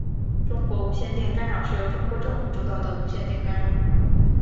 中国无线电干扰是由中国政府主导的无线电干扰。